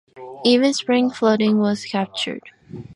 Even spring flooding was captured.